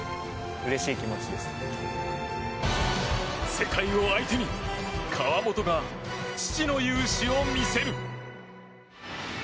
世界を相手に川本が、父の雄姿を見せる！